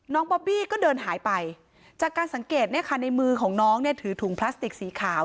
น้องบอบบี้ก็เดินหายไปจากการสังเกตในมือของน้องถือถุงพลาสติกสีขาว